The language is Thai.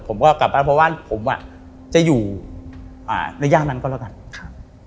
ผมก็กลับบ้านเพราะว่าผมอ่ะจะอยู่อ่าระยะนั้นก็แล้วกันครับ